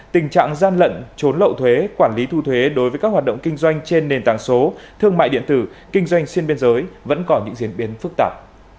tình trạng gian lận trốn lậu thuế quản lý thu thuế đối với các hoạt động kinh doanh trên nền tảng số thương mại điện tử kinh doanh xuyên biên giới vẫn còn những diễn biến phức tạp